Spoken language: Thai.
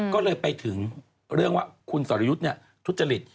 ก็เลยไปถึงเรื่องว่าคุณสรยุทธ์ทุจริต